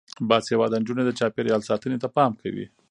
باسواده نجونې د چاپیریال ساتنې ته پام کوي.